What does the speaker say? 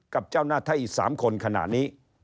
กับเจ้าหน้าที่อีก๓คนขณะนี้